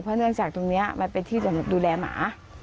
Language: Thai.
เพราะเนื่องจากตรงนี้มันเป็นที่ดูแลหมา